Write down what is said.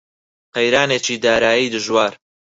قەیرانێکی دارایی دژوار